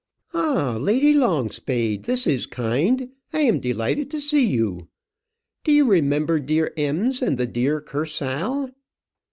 "Ah, Lady Longspade! this is kind. I am delighted to see you. Do you remember dear Ems, and the dear Kursaal?